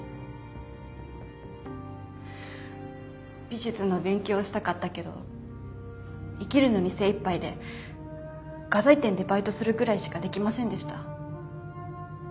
美術の勉強をしたかったけど生きるのに精いっぱいで画材店でバイトするぐらいしかできませんでした。